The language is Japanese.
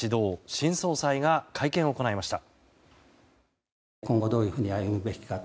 新総裁が会見を行いました。